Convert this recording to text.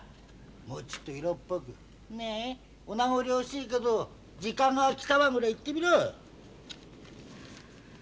もうちっと色っぽく「ねえお名残惜しいけど時間が来たわ」ぐらい言ってみろ！